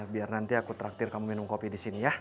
biar nanti aku traktir kamu minum kopi disini